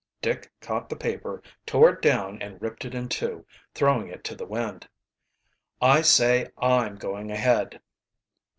Dick caught the paper, tore it down and ripped it in two, throwing it to the wind. "I say I'm going ahead."